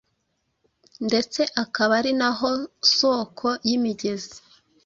ndetse akaba ari na ho soko y’imigezi